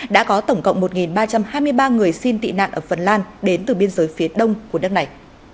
đã có tổng cộng một ba trăm hai mươi ba người xin tị nạn ở phần lan đến từ biên giới phía đông của đất này